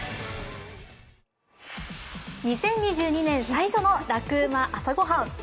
２０２２年、最初の「ラクうま！朝ごはん」。